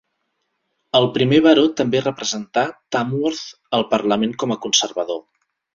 El primer baró també representà Tamworth al Parlament com a conservador.